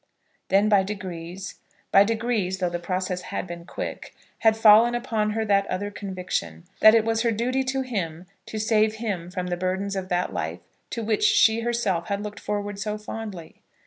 Then by degrees, by degrees, though the process had been quick, had fallen upon her that other conviction, that it was her duty to him to save him from the burdens of that life to which she herself had looked forward so fondly.